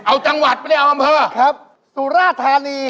เอาจังหวัดเปลี่ยนเอาอำเภอครับสุระแทนี